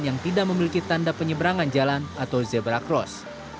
yang tidak memiliki tanda penyeberangan jalan atau zebra cross